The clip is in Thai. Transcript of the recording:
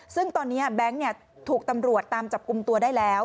ซึ่งตอนนี้แบงค์ถูกตำรวจตามจับกลุ่มตัวได้แล้ว